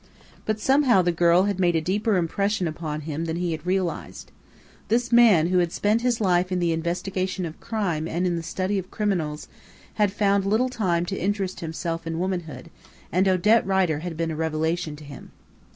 But somehow the girl had made a deeper impression upon him than he had realised. This man, who had spent his life in the investigation of crime and in the study of criminals, had found little time to interest himself in womanhood, and Odette Rider had been a revelation to him.